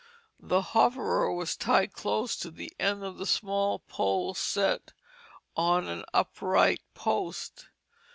The hoverer was tied close to the end of a small pole set on an upright post.